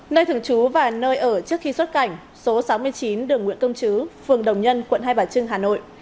nơi thường trú và nơi ở trước khi xuất cảnh số sáu mươi chín đường nguyễn công chứ phường đồng nhân quận hai bà trưng hà nội